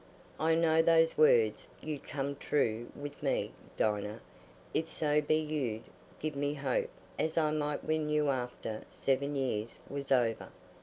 I know those words 'ud come true with me, Dinah, if so be you'd give me hope as I might win you after seven years was over.